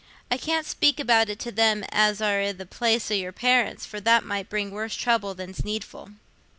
I can't speak about it to them as are i' the place o' your parents, for that might bring worse trouble than's needful."